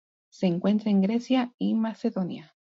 Se encuentra en Grecia y Macedonia.